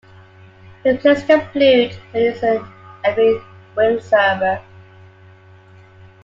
He plays the flute and is an avid windsurfer.